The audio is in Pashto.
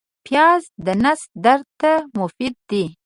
پیاز د نس درد ته مفید دی